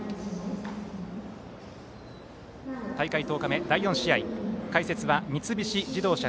大会１０日目、第４試合解説は三菱自動車